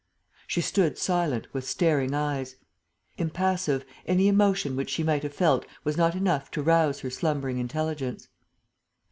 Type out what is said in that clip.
She stood silent, with staring eyes; impassive, any emotion which she might have felt was not enough to rouse her slumbering intelligence.